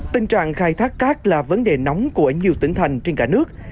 tình trạng khai thác cát là vấn đề nóng của nhiều tỉnh thành trên cả nước